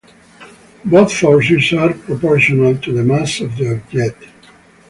Both forces are proportional to the mass of the object.